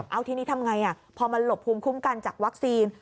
เอาทีนี้ทำไงพอมันหลบภูมิคุ้มกันจากวัคซีน